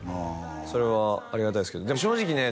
それはありがたいですけどでも正直ね